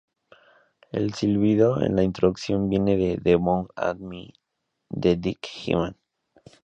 El silbido en la introducción viene de "The Moog and Me" de Dick Hyman.